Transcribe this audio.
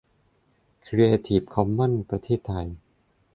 ครีเอทีฟคอมมอนส์ประเทศไทย